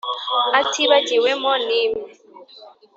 atibagiwemo n'imwe